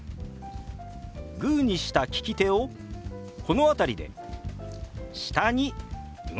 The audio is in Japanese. グーにした利き手をこの辺りで下に動かします。